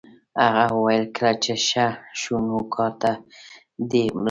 هغه وویل کله چې ښه شو نو کار ته دې لاړ شي